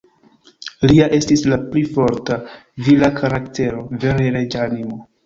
Lia estis la pli forta, vira karaktero; vere reĝa animo.